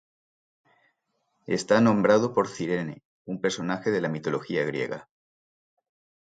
Está nombrado por Cirene, un personaje de la mitología griega.